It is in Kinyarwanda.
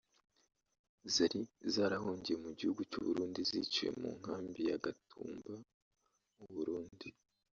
zari zarahungiye mu gihugu cy’u Burundi ziciwe mu nkambi ya Gatumba mu Burundi